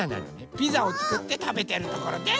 ピザをつくってたべてるところです！